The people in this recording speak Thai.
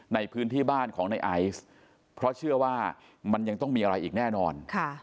ในพื้นที่บ้านของในไอซ์เพราะเชื่อว่ามันยังต้องมีอะไรอีกแน่นอน